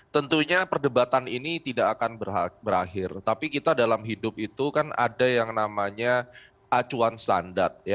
tentunya perdebatan ini tidak akan berakhir tapi kita dalam hidup itu kan ada yang namanya acuan standar